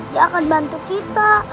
dia akan bantu kita